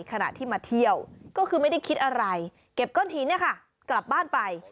ขณะที่มาเที่ยวก็คือไม่ได้คิดอะไรเก็บก้อนหินเนี่ยค่ะกลับบ้านไป